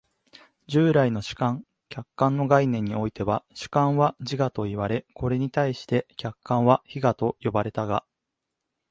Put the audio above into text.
従来の主観・客観の概念においては、主観は自我といわれ、これに対して客観は非我と呼ばれたが、